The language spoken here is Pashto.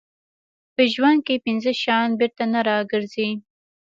په ژوند کې پنځه شیان بېرته نه راګرځي.